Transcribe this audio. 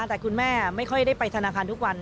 แต่คุณแม่ไม่ค่อยได้ไปธนาคารทุกวัน